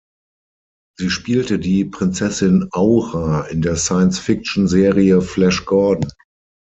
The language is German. Sie spielte die Prinzessin Aura in der Science-Fiction-Serie "Flash Gordon".